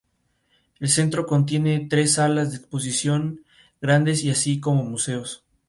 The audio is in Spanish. El centro contiene tres salas de exposición grandes así como museos.